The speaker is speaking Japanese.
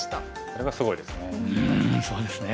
それがすごいですよね。